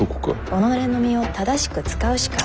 己の身を正しく使うしかありませぬ。